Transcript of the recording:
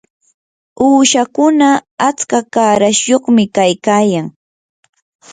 uushakuna atska qarashyuqmi kaykayan.